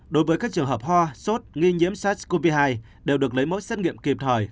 đối với các trường hợp ho sốt nghi nhiễm sars cov hai đều được lấy mẫu xét nghiệm kịp thời